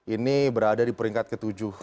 ini berada di peringkat ketujuh